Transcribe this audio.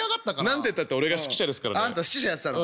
何てったって俺が指揮者ですからね。あんた指揮者やってたの。